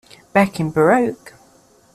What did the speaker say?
Back in Baroque...